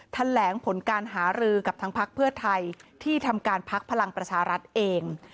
แถลงผลการหารือกับทางพักเพื่อไทยที่ทำการพักพลังประชารัฐเอง